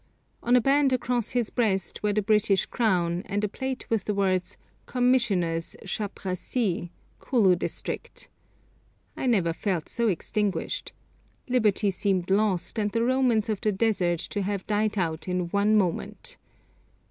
On a band across his breast were the British crown, and a plate with the words 'Commissioner's chaprassie, Kulu district.' I never felt so extinguished. Liberty seemed lost, and the romance of the desert to have died out in one moment!